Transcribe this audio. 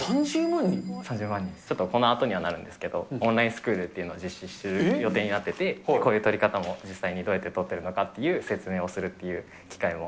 ちょっとこのあとにはなるんですけど、オンラインスクールっていうのを実施する予定になっていて、こういう撮り方も実際にどうやって撮ってるのかっていう説明をするっていう機会も。